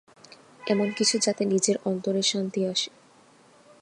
এমন কিছু যাতে নিজের অন্তরে শান্তি আসে।